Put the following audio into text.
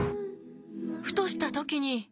ふとした時に